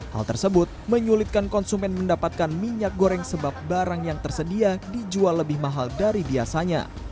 hal tersebut menyulitkan konsumen mendapatkan minyak goreng sebab barang yang tersedia dijual lebih mahal dari biasanya